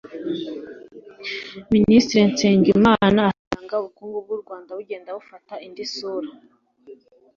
Minisitiri Nsengimana asanga ubukungu bw’u Rwanda bugenda bufata indi sura